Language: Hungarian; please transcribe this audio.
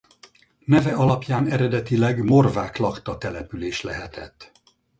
Neve alapján eredetileg morvák lakta település lehetett.